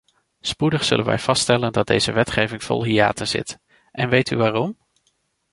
Spoedig zullen wij vaststellen dat deze wetgeving vol hiaten zit, en weet u waarom?